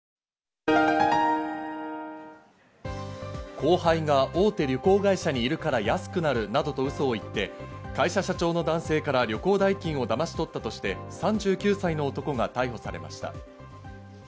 後輩が大手旅行会社にいるから安くなるなどとウソを言って会社社長の男性から旅行代金をだまし取ったとして３９歳の男が逮捕されました。